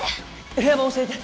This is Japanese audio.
部屋番教えて！